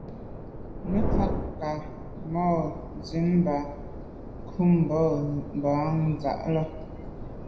Me tshag nka’ ma’ nsi mban kum ba’ z’a ba tsha là.